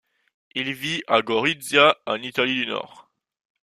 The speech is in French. Il vit à Gorizia en Italie du Nord.